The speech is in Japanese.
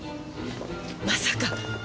まさか。